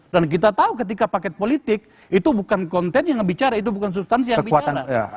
dan kita tahu ketika paket politik itu bukan konten yang bicara itu bukan substansi yang bicara